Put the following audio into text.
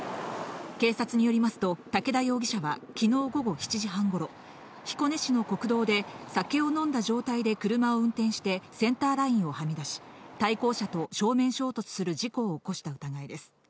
警察によりますと竹田容疑者は、昨日午後７時半頃、彦根市の国道で酒を飲んだ状態で車を運転してセンターラインをはみ出し、対向車と正面衝突する事故を起こした疑いです。